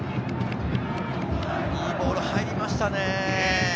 いいボール入りましたね。